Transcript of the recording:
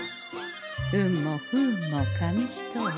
運も不運も紙一重。